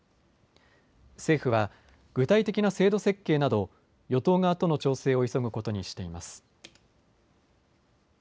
政府は具体的な制度設計など与党側との調整を急ぐことにしています。